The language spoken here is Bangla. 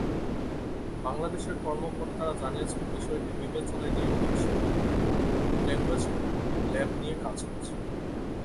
বাংলাদেশের কর্মকর্তারা জানিয়েছেন, বিষয়টি বিবেচনায় নিয়ে বিপসটে ল্যাংগুয়েজ ল্যাব নিয়ে কাজ হচ্ছে।